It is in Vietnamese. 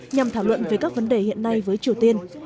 nhằm thảo luận về các vấn đề hiện nay với triều tiên